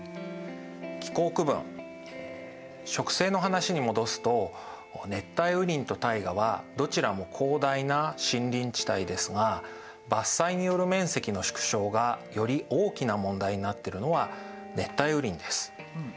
気候区分植生の話に戻すと熱帯雨林とタイガはどちらも広大な森林地帯ですが伐採による面積の縮小がより大きな問題になっているのは熱帯雨林です。